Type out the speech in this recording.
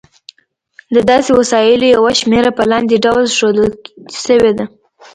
د داسې وسایلو یوه شمېره په لاندې ډول ښودل شوې ده.